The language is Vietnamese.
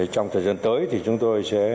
trong thời gian tới thì chúng tôi sẽ